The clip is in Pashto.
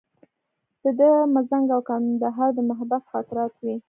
د ده مزنګ او کندهار د محبس خاطرات وې.